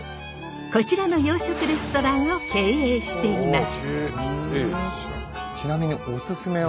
こちらの洋食レストランを経営しています。